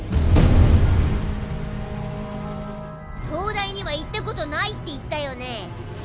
灯台には行ったことないって言ったよね。